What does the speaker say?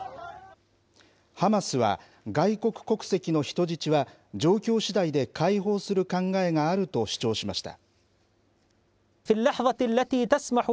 ハマスは外国国籍の人質は状況しだいで解放する考えがあると主張しました。